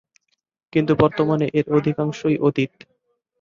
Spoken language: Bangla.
কিন্তু বর্তমানে এর অধিকাংশই অতীত।